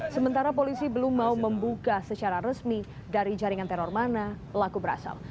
sementara polisi belum mau membuka secara resmi dari jaringan teror mana pelaku berasal